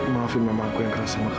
maafin mamaku yang keras sama kamu ya mila